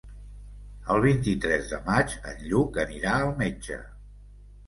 El vint-i-tres de maig en Lluc anirà al metge.